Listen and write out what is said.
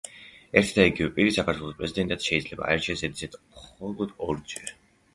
ერთი და იგივე პირი საქართველოს პრეზიდენტად შეიძლება აირჩეს ზედიზედ მხოლოდ ორჯერ.